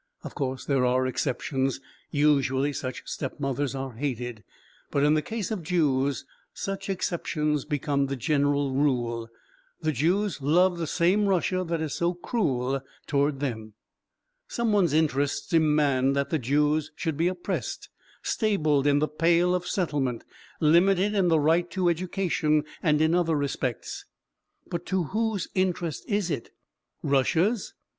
Of course, they are exceptions; usually such stepmothers are hated. But in the case of Jews such exceptions become the general rule: the Jews love the same Russia that is so cruel toward them. Some one's interests demand that the Jews should be oppressed, stabled in the "Pale of Settlement," limited in the right to education, and in other respects. But to whose interest is it? Russia's?